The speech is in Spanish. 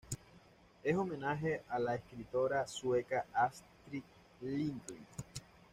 Es homenaje a la escritora sueca Astrid Lindgren.